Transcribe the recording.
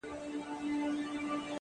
د مسجد لوري ـ د مندر او کلیسا لوري ـ